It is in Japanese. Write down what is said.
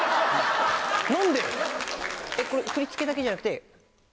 これ振り付けだけじゃなくて。